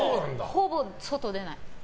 ほぼ外出ない。